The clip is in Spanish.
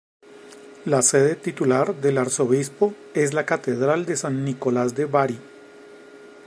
La sede titular del arzobispo es la Catedral de San Nicolas de Bari.